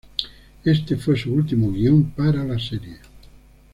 Este fue su último guion para la serie.